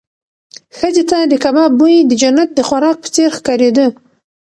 ښځې ته د کباب بوی د جنت د خوراک په څېر ښکارېده.